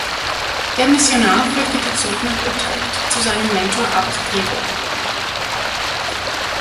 Der Missionar flüchtete zurück nach Utrecht, zu seinem Mentor Abt Gregor.